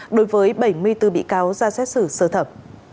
đối với bảy mươi bốn bị cáo ra xét xử sơ thẩm